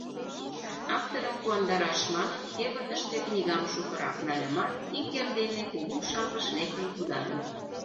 Авторым куандараш манын, кевытыште книгам шукырак нальымат, ик эрдене Кугу Шапыш лектын кудальым.